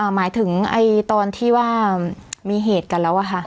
หมายถึงตอนที่ว่ามีเหตุกันแล้วค่ะ